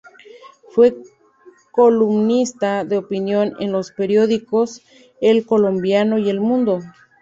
Fue columnista de opinión en los periódicos El Colombiano y El Mundo.